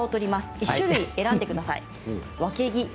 １種類、選んでください。